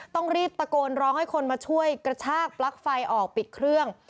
ต้องรีบตะโกนร้องให้คนมาช่วยกระชากปลั๊กไฟออกปิดเครื่อง